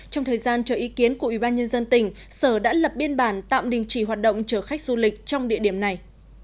trong thời gian cho ý kiến của ủy ban nhân dân tỉnh sở đã lập biên bản tạm đình chỉ hoạt động chở khách du lịch trong địa điểm này